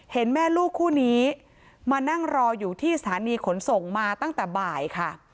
แม่ลูกคู่นี้มานั่งรออยู่ที่สถานีขนส่งมาตั้งแต่บ่ายค่ะ